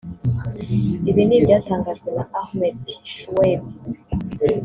Ibi ni ibyatangajwe na Ahmed Shouaib